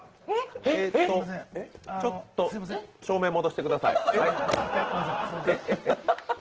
ちょっと照明戻してください。